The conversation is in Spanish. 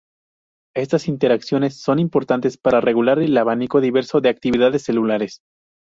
Estas interacciones son importantes para regular un abanico diverso de actividades celulares.